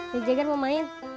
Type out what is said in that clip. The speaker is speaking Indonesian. bejager mau main